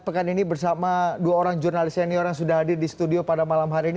pekan ini bersama dua orang jurnalis senior yang sudah hadir di studio pada malam hari ini